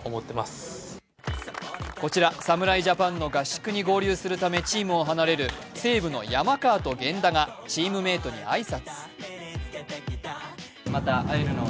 こちら侍ジャパンの合宿に合流するためチームを離れる西武の山川と源田がチームメイトに挨拶。